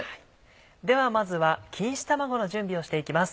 ではまずは錦糸卵の準備をしていきます。